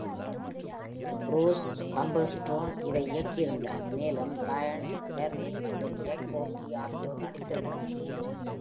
H. Bruce Humberstone இதை இயக்கியிருந்தார் மேலும் Lynn Bari மற்றும் Jack Oakie ஆகியோர் நடித்திருந்தனர்.